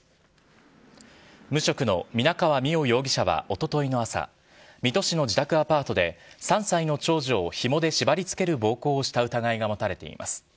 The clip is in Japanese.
無職の皆川美桜容疑者はおとといの朝、水戸市の自宅アパートで、３歳の長女をひもで縛りつける暴行をした疑いが持たれています。